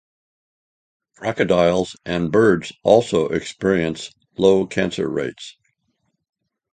Crocodiles and birds also experience low cancer rates.